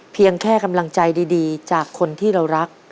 เพียงแค่กำลังใจดีจากคนที่เรารัก